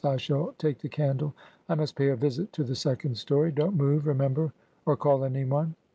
I shall take the candle. ... I must pay a visit to the second stor3^ Don't move, remember, or call any one.'